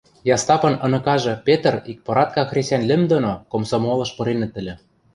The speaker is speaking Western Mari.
Ястапын ыныкажы Петр икпоратка хресӓнь лӹм доно комсомолыш пыренӹт ыльы.